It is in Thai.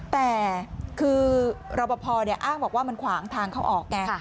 แต่คือรอปภอ้างบอกว่ามันขวางทางเข้าออกไง